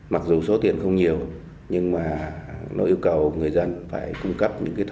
mặc dù số tiền không nhiều nhưng nó yêu cầu người dân phải cung cấp những thông tin